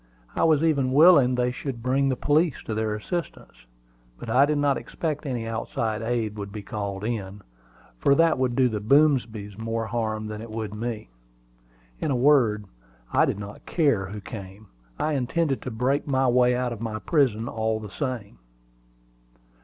I was even willing they should bring the police to their assistance. But I did not expect any outside aid would be called in, for that would do the Boomsbys more harm than it would me. In a word, I did not care who came: I intended to break my way out of my prison, all the same.